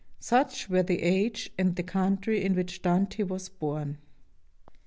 Such were the age and the country in which Dante was born.